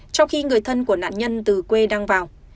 trong khi người thân của nạn nhân từ quê đang vào